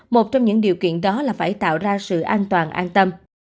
một trong những điều kiện đó là phải tạo ra sự an toàn an tâm